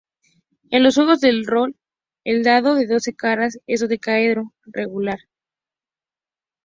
En los juegos de rol el dado de doce caras es un dodecaedro regular.